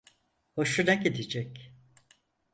Hoşuna gidecek.